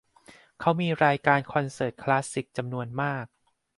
เขามีรายการคอนเสิร์ตคลาสสิกจำนวนมาก